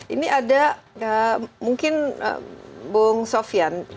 ini ada mungkin bung sofian